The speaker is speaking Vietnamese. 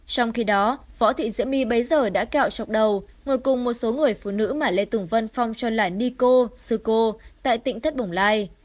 trong khi đó võ thị diễm my bây giờ đã kẹo trọc đầu ngồi cùng một số người phụ nữ mà lê tùng vân phong cho lại ni cô sư cô tại tỉnh thắt bồng lai